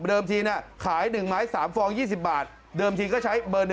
เดิมทีขาย๑ไม้๓ฟอง๒๐บาทเดิมทีก็ใช้เบอร์๑